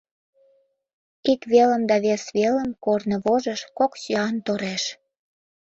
Ик велым да вес велым корно вожыш кок сӱан тореш.